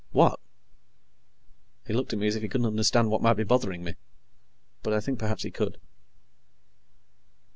"What?" He looked at me as if he couldn't understand what might be bothering me, but I think perhaps he could.